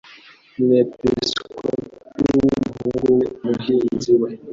Umwepiskopi w'umuhungu we. Umuhinzi we